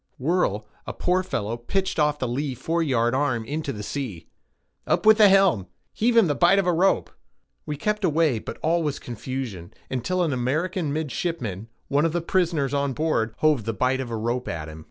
Whirl, a poor fellow pitched off the lee foreyard arm into the sea. "Up with the helm—heave him the bight of a rope." We kept away, but all was confusion, until an American midshipman, one of the prisoners on board, hove the bight of a rope at him.